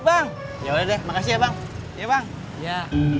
bang ya udah makasih ya bang ya bang ya